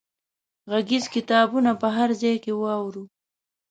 غږیز کتابونه په هر ځای کې واورو.